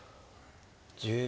１０秒。